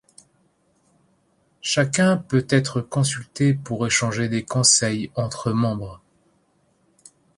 Chacun peut être consulté pour échanger des conseils entre membres.